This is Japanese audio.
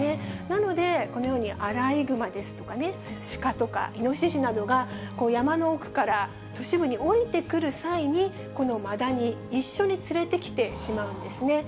なので、このようにアライグマですとかね、鹿とかイノシシなどが、山の奥から都市部に下りてくる際に、このマダニ、一緒に連れてきてしまうんですね。